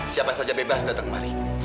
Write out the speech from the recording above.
siapa saja bebas datang mari